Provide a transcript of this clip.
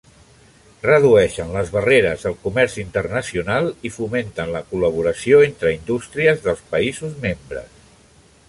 Redueixen les barreres al comerç internacional i fomenten la col·laboració entre indústries dels països membres.